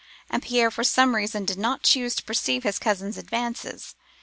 And Pierre for some time did not choose to perceive his cousin's advances.